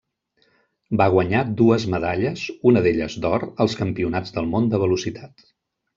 Va guanyar dues medalles, una d'elles d'or, als Campionats del món de velocitat.